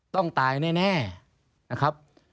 ต้องตายแน่นะครับ